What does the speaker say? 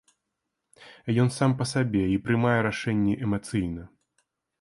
Ён сам па сабе і прымае рашэнні эмацыйна.